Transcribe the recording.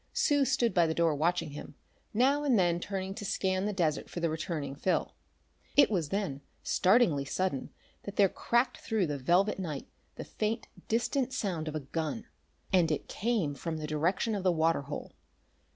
Sue stood by the door watching him, now and then turning to scan the desert for the returning Phil. It was then, startlingly sudden, that there cracked through the velvet night the faint, distant sound of a gun. And it came from the direction of the water hole.